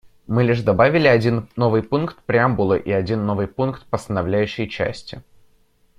Мы лишь добавили один новый пункт преамбулы и один новый пункт постановляющей части.